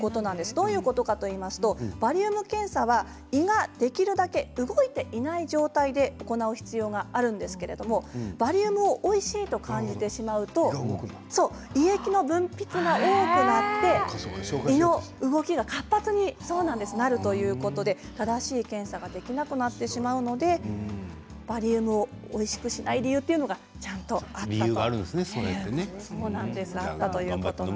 どういうことかといいますとバリウム検査は胃ができるだけ動いていない状態で行う必要があるんですけれどもバリウムをおいしいと感じてしまうと胃液の分泌が多くなって胃の動きが活発になるということで正しい検査ができなくなってしまうのでバリウムをおいしくしない理由と理由があるんですね。